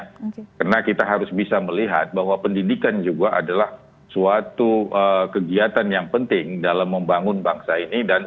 itulah yang kita yang harus seliwoo kita ebik tapi berarti kita harus mengunci seluruh pendidikan yang ada baik di aglomerasi jabodetabek ataupun di provinsi lainnya